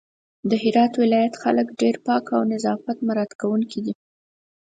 د هرات ولايت خلک ډېر پاک او نظافت مرعت کونکي دي